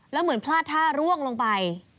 แล้วเหมือนพลาดท่าร่วงลงไป